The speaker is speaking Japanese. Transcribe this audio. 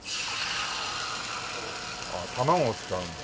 卵を使うんだ。